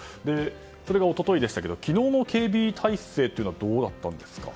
それが一昨日でしたが昨日の警備態勢はどうでしたか？